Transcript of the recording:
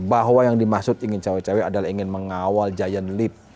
bahwa yang dimaksud ingin cawe cawe adalah ingin mengawal giant leap